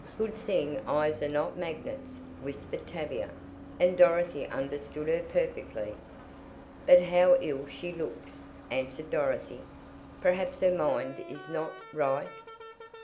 "Good thing eyes are not magnets," whispered Tavia, and Dorothy understood her perfectly. "But how ill she looks!" answered Dorothy. "Perhaps her mind is not right."